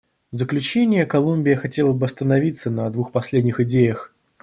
В заключение Колумбия хотела бы остановиться на двух последних идеях.